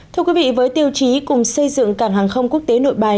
thưa quý vị với tiêu chí cùng xây dựng cảng hàng không quốc tế nội bài